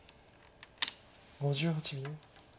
５８秒。